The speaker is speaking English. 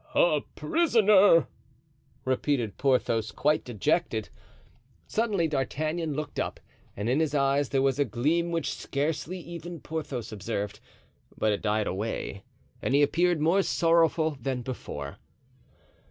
"A prisoner," repeated Porthos, quite dejected. Suddenly D'Artagnan looked up and in his eyes there was a gleam which scarcely even Porthos observed; but it died away and he appeared more sorrowful than before.